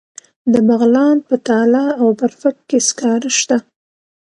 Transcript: د بغلان په تاله او برفک کې سکاره شته.